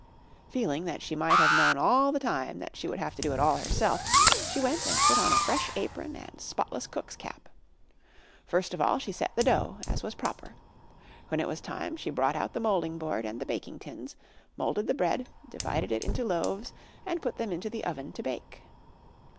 Feeling that she might have known all the time that she would have to do it all herself, she went and put on a fresh apron and spotless cook's cap. First of all she set the dough, as was proper. When it was time she brought out the moulding board and the baking tins, moulded the bread, divided it into loaves, and put them into the oven to bake.